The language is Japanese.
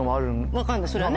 分かんないそれはね。